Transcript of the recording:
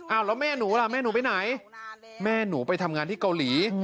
เอาแล้วแม่หนูล่ะแม่หนูไปไหนแม่หนูไปทำงานที่เกาหลี